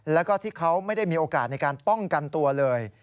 แล้วก็ที่เขาไม่ได้มีโอกาสในการป้องกันตัวเลย